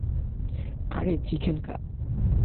আরে, চিকেন খা।